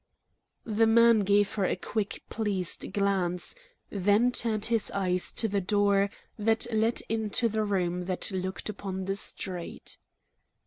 The man gave her a quick, pleased glance, then turned his eyes to the door that led into the room that looked upon the street.